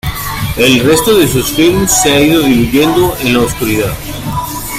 El resto de sus films se han ido diluyendo en la oscuridad.